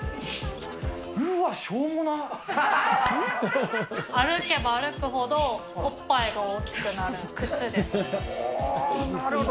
うわっ、歩けば歩くほど、おっぱいがなるほど。